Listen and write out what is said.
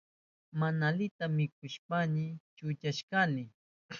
Mana alita millpushpayni chukashkani.